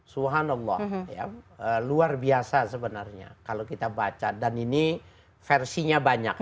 subhanallah luar biasa sebenarnya kalau kita baca dan ini versinya banyak